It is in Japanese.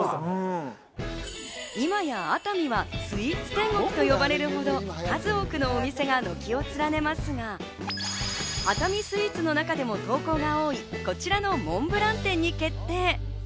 今や熱海はスイーツ天国と呼ばれるほど、数多くのお店が軒を連ねますが、熱海スイーツの中でも投稿が多い、こちらのモンブラン店に決定。